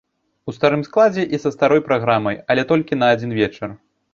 У старым складзе і са старой праграмай, але толькі на адзін вечар.